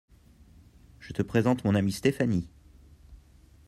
Je te présente mon amie Stéphanie.